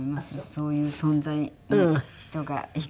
そういう存在の人がいて。